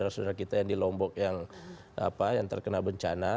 saudara saudara kita yang di lombok yang terkena bencana